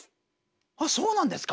あっそうなんですか。